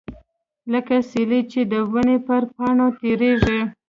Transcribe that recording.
لکه سیلۍ چې د ونو پر پاڼو تیریږي.